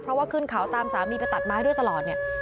เพราะว่าขึ้นเขาตามสามีไปตัดไม้ด้วยตลอดเนี่ย